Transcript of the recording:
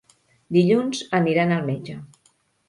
Dilluns aniran al metge.